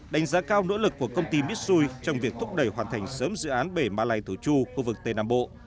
đánh giá cao nỗ lực của công ty mitsui trong việc thúc đẩy hoàn thành sớm dự án bể malaysia tổ chu khu vực tây nam bộ